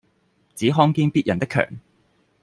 只看見別人的强